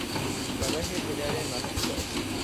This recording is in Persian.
شبح پدر مقتولش